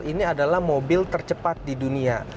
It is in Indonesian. ini adalah mobil tercepat di dunia